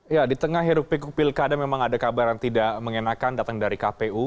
ya di tengah hiruk pikuk pilkada memang ada kabar yang tidak mengenakan datang dari kpu